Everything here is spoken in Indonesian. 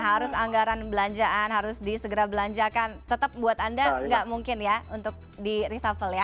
harus anggaran belanjaan harus disegera belanjakan tetap buat anda nggak mungkin ya untuk di reshuffle ya